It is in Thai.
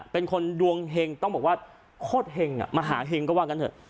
เป็นคนดวงเห็งต้องบอกว่าโคตรเห็งมหาเห็งก็ว่ากันเถอะ